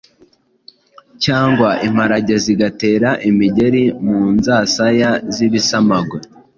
cyangwa imparage zigatera imigeri mu nzasaya z’ibisamagwe